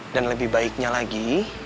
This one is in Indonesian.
dan lebih baiknya lagi